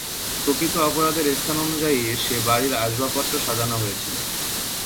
প্রকৃত অপরাধের স্থান অনুযায়ী, সে বাড়ির আসবাবপত্র সাজানো হয়েছিল।